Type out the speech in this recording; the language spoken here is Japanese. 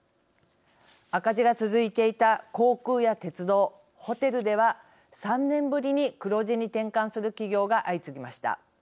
赤字が続いていた航空や鉄道ホテルでは３年ぶりに黒字に転換する企業が相次ぎました。